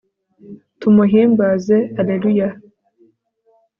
tumuhimbaze alleluya